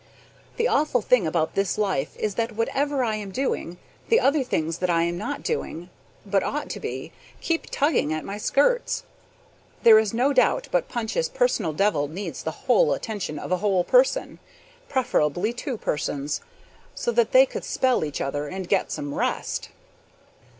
The awful thing about this life is that whatever I am doing, the other things that I am not doing, but ought to be, keep tugging at my skirts. There is no doubt but Punch's personal devil needs the whole attention of a whole person, preferably two persons, so that they could spell each other and get some rest.